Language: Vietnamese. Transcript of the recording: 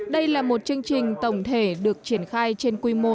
đây là một chương trình tổng thể được triển khai trên quy mô